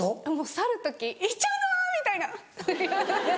去る時「行っちゃうの⁉」みたいな。